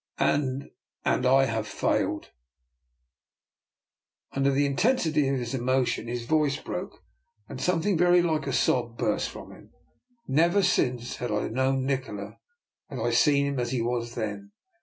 And — and — I have failed,'' Under the intensity of his emotion his voice broke, and something very like a sob burst from him. Never since I had known Nikola had I see him as he was then.